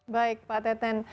baik pak teten